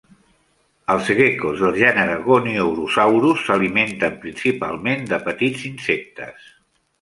Els gecos del gènere Goniurosaurus s'alimenten principalment de petits insectes.